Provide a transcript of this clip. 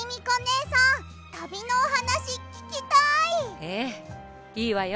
ええいいわよ。